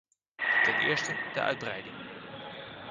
Ten eerste, de uitbreiding.